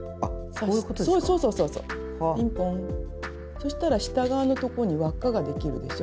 そしたら下側のとこに輪っかができるでしょ。